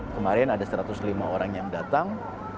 kemarin ada satu ratus lima orang yang datang